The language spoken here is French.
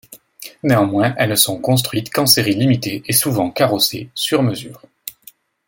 Néanmoins, elles ne sont construites qu'en séries limitées et souvent carrossées sur mesure.